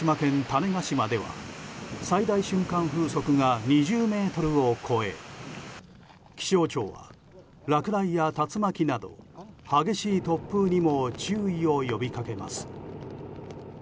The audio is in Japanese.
種子島では最大瞬間風速が２０メートルを超え気象庁は、落雷や竜巻など激しい突風にも注意を呼びかけます。